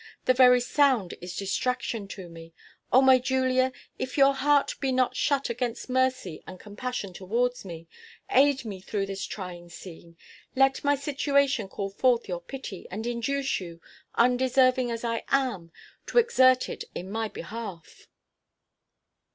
The very sound is distraction to me. O my Julia, if your heart be not shut against mercy and compassion towards me, aid me through this trying scene. Let my situation call forth your pity, and induce you, undeserving as I am, to exert it in my behalf."